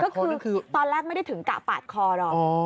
ก็คือตอนแรกไม่ได้ถึงกะปาดคอหรอก